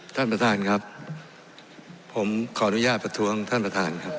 ท่านประธานครับผมขออนุญาตประท้วงท่านประธานครับ